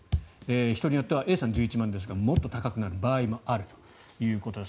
人によってはＡさんは１１万円ですがもっと高くなる場合もあるということです。